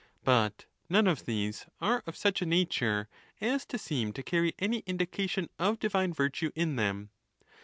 But none of these are of such a nature as to seem to carry any indication of divine virtue in them.